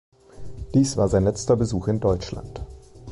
Dies war sein letzter Besuch in Deutschland.